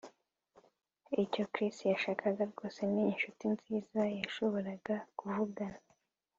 Icyo Chris yashakaga rwose ni inshuti nziza yashoboraga kuvugana